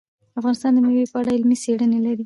افغانستان د مېوې په اړه علمي څېړنې لري.